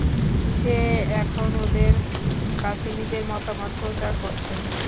সে এখন ওদের কাছে নিজের মতবাদ প্রচার করছে।